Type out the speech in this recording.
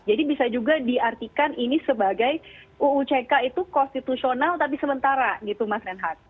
jadi bisa juga diartikan ini sebagai uu ck itu konstitusional tapi sementara gitu mas renhat